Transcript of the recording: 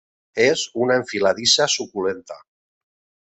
És una enfiladissa suculenta.